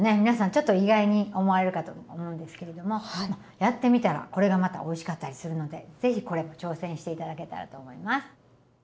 皆さんちょっと意外に思われるかと思うんですけれどもやってみたらこれがまたおいしかったりするのでぜひこれも挑戦していただけたらと思います。